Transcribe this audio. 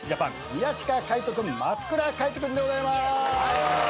宮近海斗君松倉海斗君でございます。